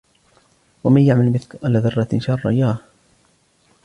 وَمَنْ يَعْمَلْ مِثْقَالَ ذَرَّةٍ شَرًّا يَرَهُ